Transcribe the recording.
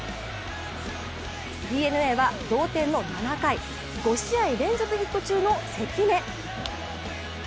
ＤｅＮＡは同点の７回、５試合連続ヒット中の関根。